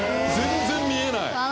全然見えない！